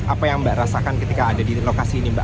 apa yang mbak rasakan ketika ada di lokasi ini mbak